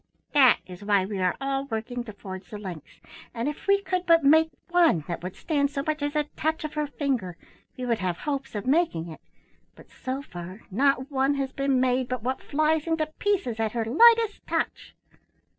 "That is why we are all working to forge the links, and if we could but make one that would stand so much as a touch of her finger we would have hopes of making it, but so far not one has been made but what flies into pieces at her lightest touch.